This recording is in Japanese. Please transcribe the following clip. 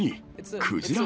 クジラ？